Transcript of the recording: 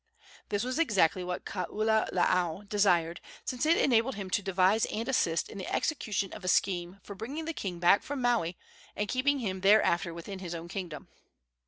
This was exactly what Kaululaau desired, since it enabled him to devise and assist in the execution of a scheme for bringing the king back from Maui and keeping him thereafter within his own kingdom.